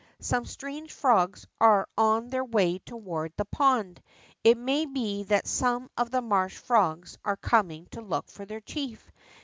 Some strange frogs are on their way toward the pond. It may be that some of the marsh frogs are coming to look for their chief.